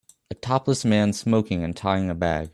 A topless man smoking and tying a bag